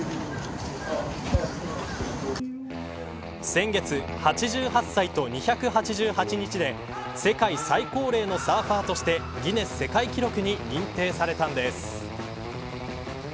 先月８８歳と２８８日で世界最高齢のサーファーとしてギネス世界記録に認定されたんです。